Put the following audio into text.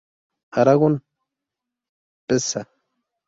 Aragón, Pza.